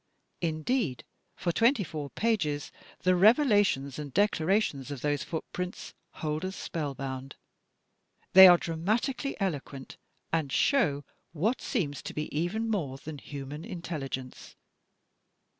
Indeed, for twenty four pages the revelations and declarations of those footprints hold us spellbound. They are dramatically eloquent and show what seems to be even more than human intelligence.